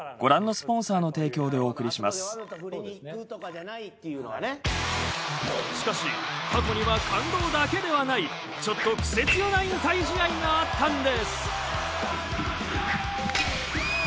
だったら結構しかし過去には感動だけではないちょっとクセ強な引退試合があったんです。